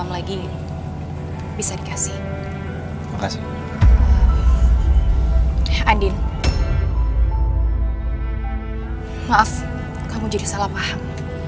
maaf kamu jadi salah paham